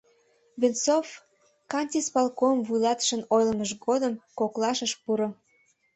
Венцов кантисполком вуйлатышын ойлымыж годым коклаш ыш пуро.